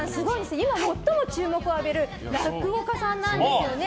今最も注目を浴びる落語家さんなんですよね。